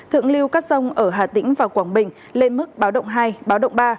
thượng lưu các sông ở hà tĩnh và quảng bình lên mức báo động hai báo động ba